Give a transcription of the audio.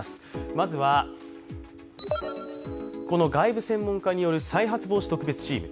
まずはこの外部専門家による再発防止特別チーム。